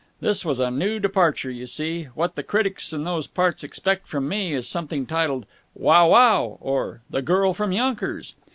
This was a new departure, you see. What the critics in those parts expect from me is something entitled 'Wow! Wow!' or 'The Girl from Yonkers.'